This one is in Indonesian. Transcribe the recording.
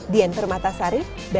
dian permatasari kota eropa